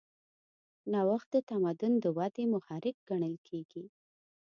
نوښت د تمدن د ودې محرک ګڼل کېږي.